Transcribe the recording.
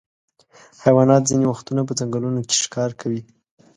حیوانات ځینې وختونه په ځنګلونو کې ښکار کوي.